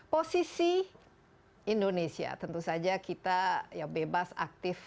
posisi indonesia tentu saja kita bebas aktif